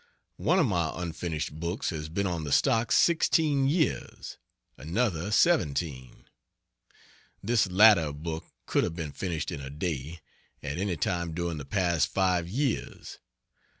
One of my unfinished books has been on the stocks sixteen years; another seventeen. This latter book could have been finished in a day, at any time during the past five years.